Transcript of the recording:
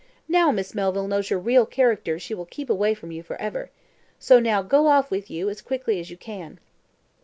"Now Miss Melville knows your real character she will keep away from you for ever. So now go off with you, as quickly as you can."